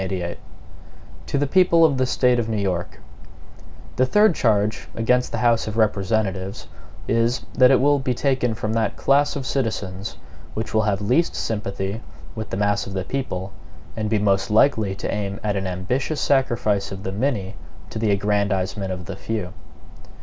MADISON To the People of the State of New York: THE THIRD charge against the House of Representatives is, that it will be taken from that class of citizens which will have least sympathy with the mass of the people, and be most likely to aim at an ambitious sacrifice of the many to the aggrandizement of the few.